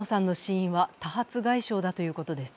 藤野さんの死因は多発外傷だということです。